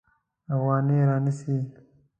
افغانۍ رانیسي.